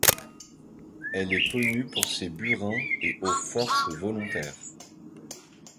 Elle est connue pour ses burins et eaux-fortes volontaires.